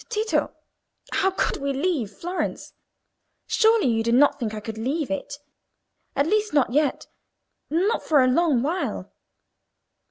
"Tito, how could we leave Florence? Surely you do not think I could leave it—at least, not yet—not for a long while."